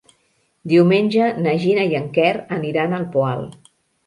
Diumenge na Gina i en Quer aniran al Poal.